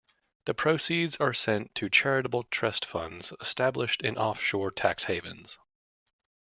The proceeds are sent to charitable trust funds established in off shore tax havens.